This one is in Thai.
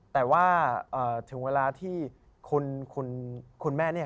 แต่ว่าถึงเวลาที่คุณแม่เนี่ย